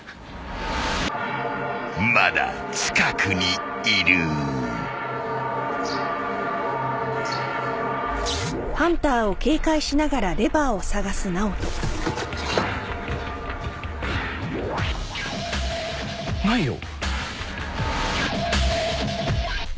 ［まだ近くにいる］ないよ。